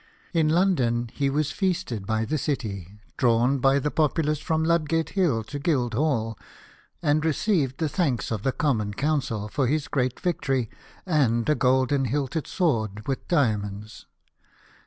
In London he was feasted by the City, drawn by the populace from Ludgate Hill to GuildhaU, and received the thanks of the Common Council for his great victory, and a golden hilted sword studded with RECF.PTIOy IN LONDO . 213 diamonds.